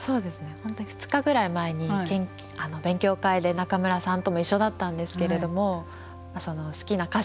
本当に２日ぐらい前に勉強会で仲邑さんとも一緒だったんですけれども好きな歌手の話。